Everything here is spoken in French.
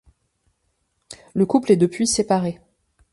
Le couple est depuis séparé.